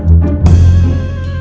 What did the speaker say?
tidak ada yang bisa menggambarkan